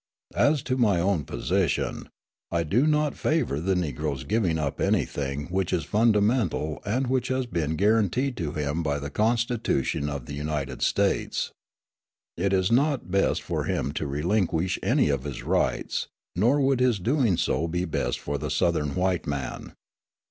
As to my own position, I do not favour the Negro's giving up anything which is fundamental and which has been guaranteed to him by the Constitution of the United States. It is not best for him to relinquish any of his rights; nor would his doing so be best for the Southern white man.